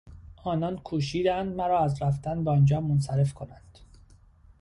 آنان کوشیدند مرا از رفتن به آنجا منصرف کنند.